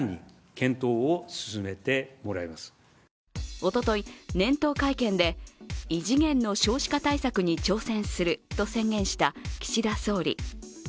おととい、年頭会見で異次元の少子化対策に挑戦すると宣言した岸田総理。